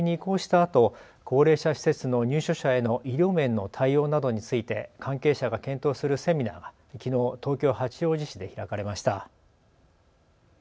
あと高齢者施設の入所者への医療面の対応などについて関係者が検討するセミナーがきのう東京八王子市で開かれました。